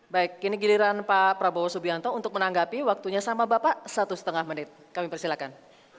baik ini giliran pak prabowo subianto untuk menanggapi waktunya sama bapak satu setengah menit kami persilakan